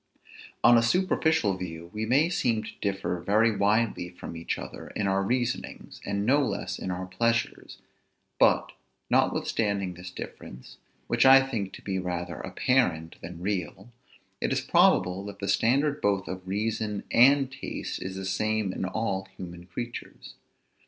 On a superficial view we may seem to differ very widely from each other in our reasonings, and no less in our pleasures: but, notwithstanding this difference, which I think to be rather apparent than real, it is probable that the standard both of reason and taste is the same in all human creatures.